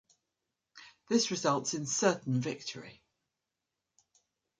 This results in certain victory.